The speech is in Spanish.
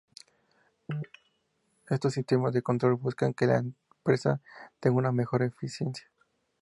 Estos sistemas de control buscan que la empresa tenga una mejor eficiencia.